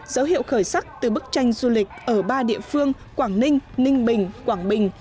dấu hiệu khởi sắc từ bức tranh du lịch ở ba địa phương quảng ninh ninh bình quảng bình